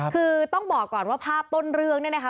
คือต้องบอกก่อนว่าภาพต้นเรื่องเนี่ยนะคะ